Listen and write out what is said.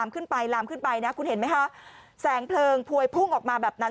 คุณเห็นไหมคะแสงเพลิงพวยพุ่งออกมาแบบนั้น